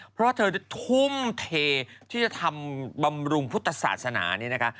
เพราะเธอทุ่มเทที่จะทำบำรุงพุทธศาสนานี้นะคะ